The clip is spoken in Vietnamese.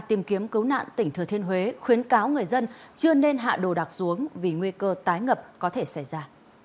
tìm kiếm cứu nạn tỉnh thừa thiên huế khuyến cáo người dân chưa nên hạ đồ đạc xuống vì nguy cơ tái ngập có thể xảy ra